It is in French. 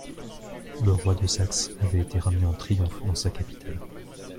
Le roi de Saxe avait été ramené en triomphe dans sa capitale.